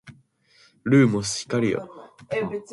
ルーモス光よ